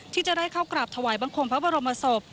ที่จะได้เข้ากราบถวายบังคมพระบรมศพ